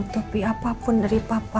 menutupi apapun dari papa